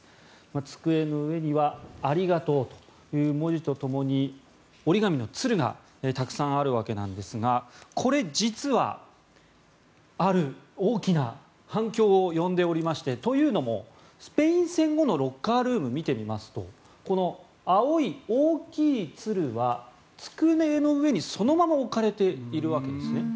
机の上には「ありがとう」という文字とともに折り紙の鶴がたくさんあるわけなんですがこれ、実はある大きな反響を呼んでおりましてというのもスペイン戦後のロッカールームを見てみますと青い大きい鶴は机の上にそのまま置かれているわけですね。